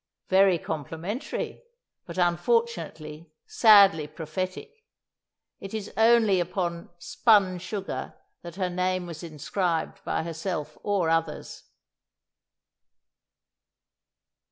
Very complimentary, but, unfortunately, sadly prophetic! It is only upon "spun sugar" that her name was inscribed by herself or others.